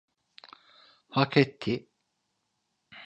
Hak etti.